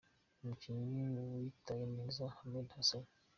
Umukinnyi witaye neza : Ahmed Hassan.